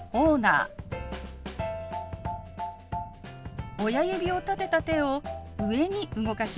親指を立てた手を上に動かします。